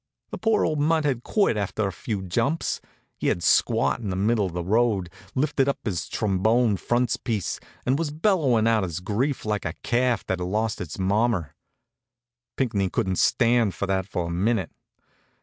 The poor old mutt had quit after a few jumps. He had squat in the middle of the road, lifted up his trombone frontispiece and was bellowin' out his grief like a calf that has lost its mommer. Pinckney couldn't stand for that for a minute.